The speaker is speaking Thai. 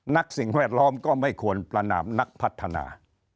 สิ่งแวดล้อมก็ไม่ควรประนามนักพัฒนา